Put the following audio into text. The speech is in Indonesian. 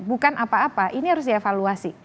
bukan apa apa ini harus dievaluasi